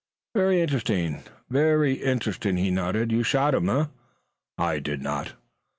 "Very interesting, very interesting," he nodded. "You shot him, eh?" "I did not."